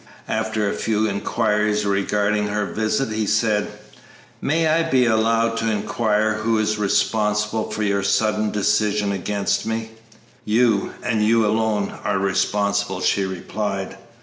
After a few inquiries regarding her visit, he said, "May I be allowed to inquire who is responsible for your sudden decision against me?" "You, and you alone, are responsible," she replied.